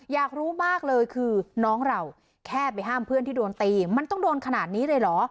อยากรู้มากเลยคือน้องเราแค่ไปห้ามเพื่อนที่โดนตีมันต้องโดนขนาดนี้เลยเหรอ